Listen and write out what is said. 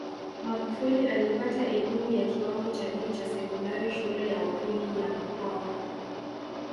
Magufuli alipata elimu ya kiwango cha juu cha sekondari Shule ya Upili ya Mkwawa